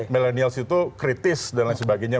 milenials itu kritis dan lain sebagainya